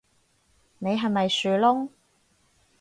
你係咪樹窿